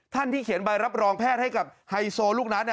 ที่เขียนใบรับรองแพทย์ให้กับไฮโซลูกนั้น